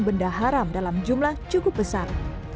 benda haram dalam jumlah cukup besar